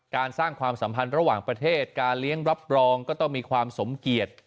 สร้างความสัมพันธ์ระหว่างประเทศการเลี้ยงรับรองก็ต้องมีความสมเกียจ